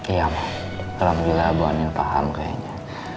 iya ma alhamdulillah bu anin paham kayaknya